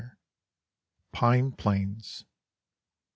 PlXE PLAINS.